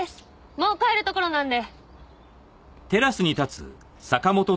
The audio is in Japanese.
もう帰るところなんで。